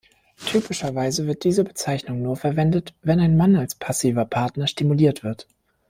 Typischerweise wird diese Bezeichnung nur verwendet, wenn ein Mann als passiver Partner stimuliert wird.